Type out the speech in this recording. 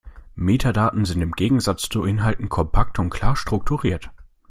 Metadaten sind im Gegensatz zu Inhalten kompakt und klar strukturiert.